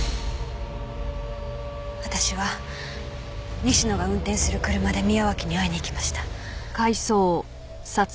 私は西野が運転する車で宮脇に会いに行きました。